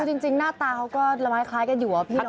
ก็จริงหน้าตาเขาก็ละมายคล้ายกันอยู่ว่าพี่น้อง